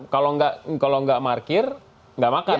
kalau nggak parkir nggak makan